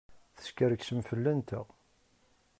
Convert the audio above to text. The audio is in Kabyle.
Teskerksem fell-anteɣ!